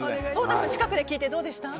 颯太君、近くで聞いてどうでしたか？